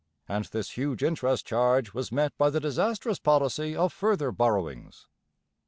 And this huge interest charge was met by the disastrous policy of further borrowings.